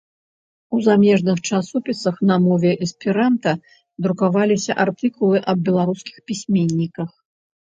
У замежных часопісах на мове эсперанта друкаваліся артыкулы аб беларускіх пісьменніках